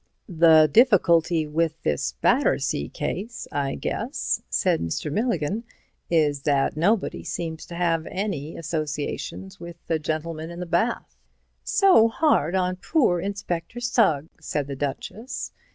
"The difficulty with this Battersea case, I guess," said Mr. Milligan, "is that nobody seems to have any associations with the gentleman in the bath." "So hard on poor Inspector Sugg," said the Duchess.